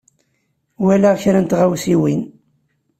Walaɣ kra n tɣawsiwin.